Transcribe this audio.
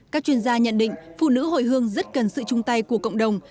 các chuyên gia nhận định phụ nữ hồi hương rất cần sự chung tay của cộng đồng